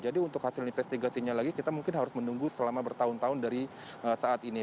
untuk hasil investigasinya lagi kita mungkin harus menunggu selama bertahun tahun dari saat ini